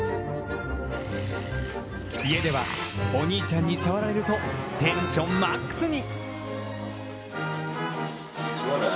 家では、お兄ちゃんに触られるとテンションＭＡＸに！